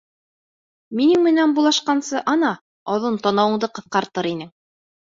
Минең менән булышҡансы, ана, оҙон танауыңды ҡыҫҡартыр инең.